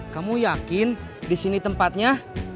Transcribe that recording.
kamu yakin disini tempatnya